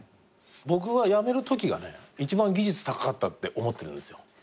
僕は辞めるときがね一番技術高かったって思ってるんですよ。